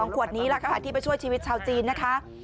ขวดนี้ล่ะค่ะที่ไปช่วยชีวิตชาวจีนนะคะ